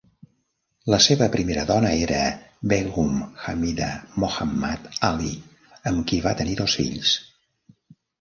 La seva primera dona era Begum Hamida Mohammad Ali, amb qui va tenir dos fills.